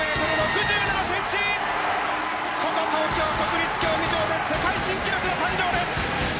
ここ東京・国立競技場で世界新記録の誕生です！